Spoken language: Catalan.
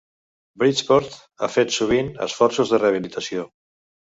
Bridgeport ha fet sovint esforços de rehabilitació.